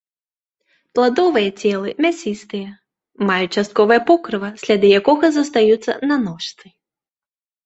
Пладовыя целы мясістыя, маюць частковае покрыва, сляды якога застаюцца на ножцы.